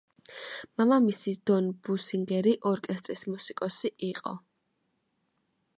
მამამისი დონ ბესინგერი ორკესტრის მუსიკოსი იყო.